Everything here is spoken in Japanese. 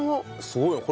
すごいね。